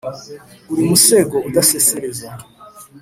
uri musego udasesereza